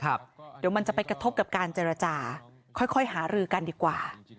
เดี๋ยวมันจะไปกระทบกับการเจรจาค่อยหารือกันดีกว่า